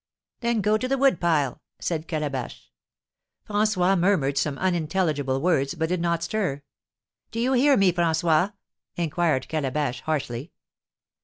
"Then go to the wood pile," said Calabash. François murmured some unintelligible words, but did not stir. "Do you hear me, François?" inquired Calabash, harshly.